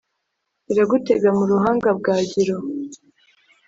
iragutega mu ruhanga bwagiro,